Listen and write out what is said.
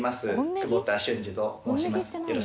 久保田峻司と申します